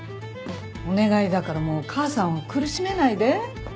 お願いだからもう母さんを苦しめないで。